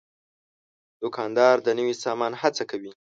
دوکاندار د نوي سامان هڅه کوي.